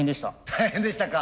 大変でしたか。